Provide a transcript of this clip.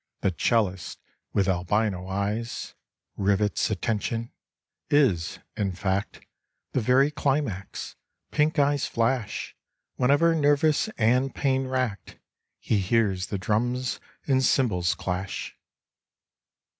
The 'ceUist, with albino eyes, Rivets attention ; is, in fact, The very climax ; pink eyes flash Whenever nervous and pain racked He hears the drums and cymbals clash.